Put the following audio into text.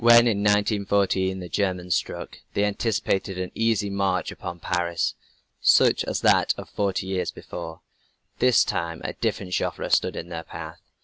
When in 1914 the Germans struck, they anticipated an easy march upon Paris such as that of forty odd years before. But this time a different Joffre stood in their path.